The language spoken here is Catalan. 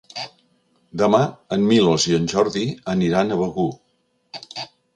Demà en Milos i en Jordi aniran a Begur.